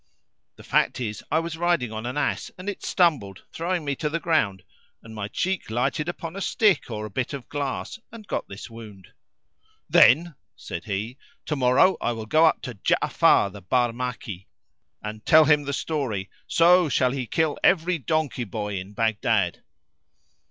The fact is I was riding on an ass and it stumbled, throwing me to the ground; and my cheek lighted upon a stick or a bit of glass and got this wound." "Then," said he, "tomorrow I will go up to Ja'afar the Barmaki and tell him the story, so shall he kill every donkey boy in Baghdad."